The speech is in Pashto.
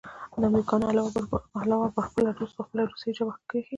د امريکې نه علاوه پخپله روس په خپله روسۍ ژبه کښې